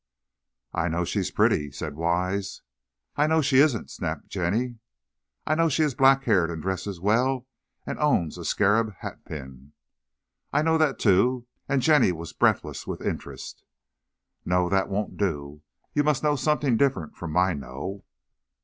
"I know she's pretty," said Wise. "I know she isn't!" snapped Jenny. "I know she is black haired and dresses well and owns a scarab hatpin." "I know that, too," and Jenny was breathless with interest. "No; that won't do. You must know something different from my know."